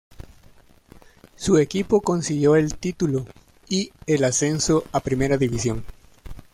Su equipo consiguió el título y el ascenso a Primera División.